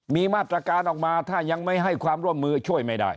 มีมาตรการออกมาถ้ายังไม่ให้ความร่วมมือช่วยไม่ได้